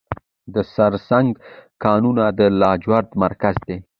د سرسنګ کانونه د لاجوردو مرکز دی